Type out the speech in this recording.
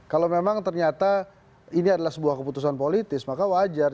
kalau memang ternyata ini adalah sebuah keputusan politis maka wajar